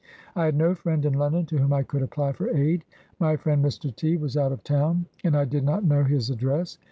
I had no friend in London to whom I could apply for aid. My friend Mr. T was out of town, and I did not know his address.